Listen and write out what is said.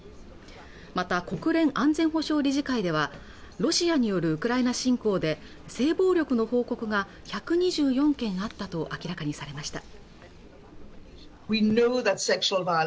また国連安全保障理事会ではロシアによるウクライナ侵攻で性暴力の報告が１２４件あったと明らかにされました